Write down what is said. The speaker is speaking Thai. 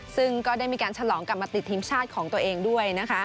ซึ่งก็ได้มีการฉลองกลับมาติดทีมชาติของตัวเองด้วยนะคะ